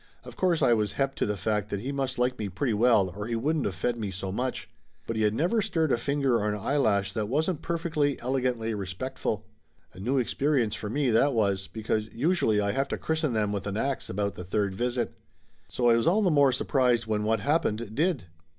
Of course I was hep to the fact he must like me pretty well or he wouldn't of fed me so much. But he had never stirred a finger or an eyelash that wasn't per fectly elegantly respectful. A new experience for me, that was, because usually I have to christen them with an ax about the third visit. So I was all the more surprised when what happened, did.